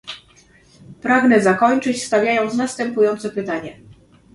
Pragnę zakończyć stawiając następujące pytanie